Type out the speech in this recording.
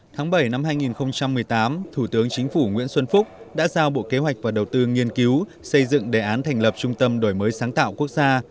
tháng bảy năm hai nghìn một mươi tám thủ tướng chính phủ nguyễn xuân phúc đã giao bộ kế hoạch và đầu tư nghiên cứu xây dựng đề án thành lập trung tâm đổi mới sáng tạo quốc gia